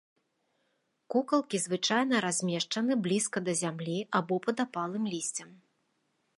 Кукалкі звычайна размешчаны блізка да зямлі або пад апалым лісцем.